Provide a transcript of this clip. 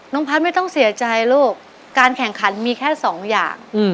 พัฒน์ไม่ต้องเสียใจลูกการแข่งขันมีแค่สองอย่าง